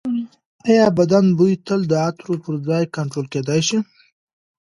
ایا بدن بوی تل د عطر پرځای کنټرول کېدی شي؟